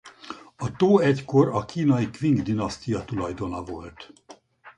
A tó egykor a kínai Qing-dinasztia tulajdona volt.